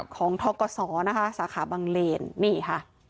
ของธกศสบเลนด์นี่ค่ะ